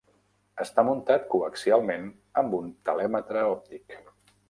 Està muntat coaxialment amb un telèmetre òptic.